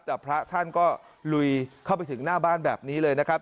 แต่พระท่านก็ลุยเข้าไปถึงหน้าบ้านแบบนี้เลยนะครับ